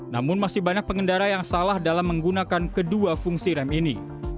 namun masih banyak pengendara yang salah dalam menggunakan kedua fungsi rem ini